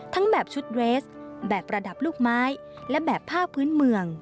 แบบชุดเรสแบบประดับลูกไม้และแบบผ้าพื้นเมือง